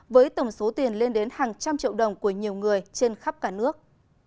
với tổng số tiền lên đến hàng trăm triệu đồng của nhiều người trên khắp cả nước